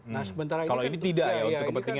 nah sementara ini kan kalau ini tidak ya